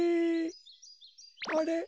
あれ？